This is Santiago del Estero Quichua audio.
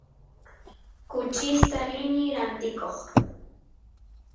kuchista rini rantikoq